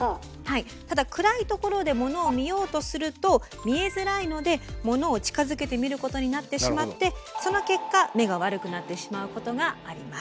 ただ暗いところでモノを見ようとすると見えづらいのでモノを近づけて見ることになってしまってその結果目が悪くなってしまうことがあります。